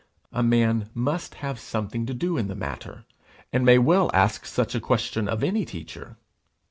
A man must have something to do in the matter, and may well ask such a question of any teacher!